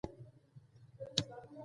پیلوټ د ورځې رڼا خوند اخلي.